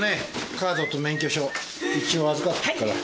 カードと免許証一応預かっとくから。